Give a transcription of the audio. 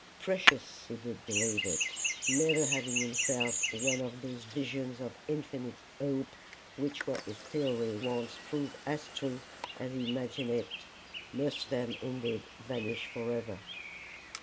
Precious he did believe it, never having himself one of those visions of infinite hope, which, were his theory once proved as true as he imagined it, must then indeed vanish for ever.